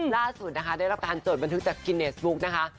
ล่าสุดนะคะได้รับการจดบันทึกจากกินเนสบุ๊กนะคะ